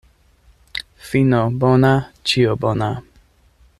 Fino bona, ĉio bona.